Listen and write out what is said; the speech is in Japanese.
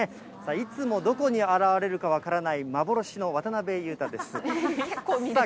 いつもどこに現れるか分からない、幻の渡辺裕太です。